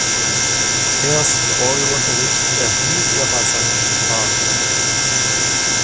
Ersten Orgelunterricht erhielt er bei seinem Vater.